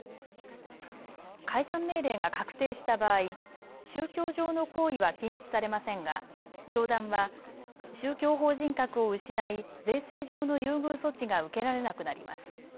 解散命令が確定した場合、宗教上の行為は禁止されませんが教団は宗教法人格を失い税制上の優遇措置が受けられなくなります。